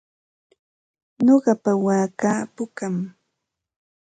Nuqapa waakaa pukam.